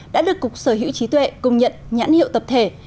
đã được cục sở hữu trí tuệ công nhận nhãn hiệu tập thể